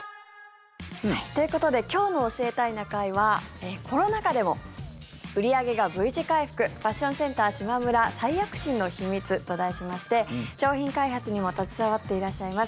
ということで今日の「教えたいな会」はコロナ禍でも売り上げがＶ字回復ファッションセンターしまむら再躍進の秘密と題しまして商品開発にも携わっていらっしゃいます